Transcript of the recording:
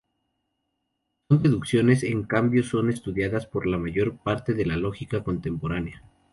Las deducciones, en cambio, son estudiadas por la mayor parte de la lógica contemporánea.